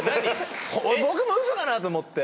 僕も嘘かなと思って。